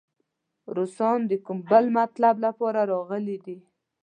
روسان د کوم بل مطلب لپاره راغلي دي.